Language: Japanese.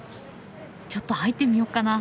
ちょっと入ってみよっかな。